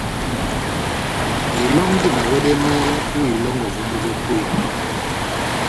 Elɔ́ngi na wɛdɛmɛhɛ ó ilɔ́ngɔ vómbo vó kwedi.